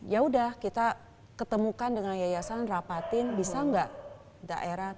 yaudah kita ketemukan dengan yayasan rapatin bisa nggak daerah